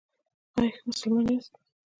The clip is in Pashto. ایا ښه مسلمان یاست؟